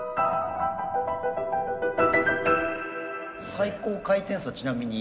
最高回転数はちなみに。